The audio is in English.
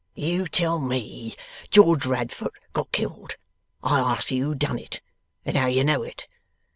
You tell me George Radfoot got killed. I ask you who done it and how you know it.